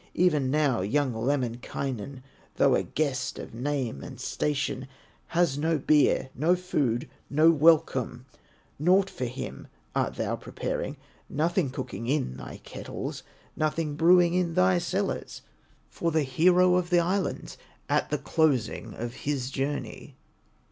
Even now young Lemminkainen, Though a guest of name and station, Has no beer, no food, no welcome, Naught for him art thou preparing, Nothing cooking in thy kettles, Nothing brewing in thy cellars For the hero of the Islands, At the closing of his journey."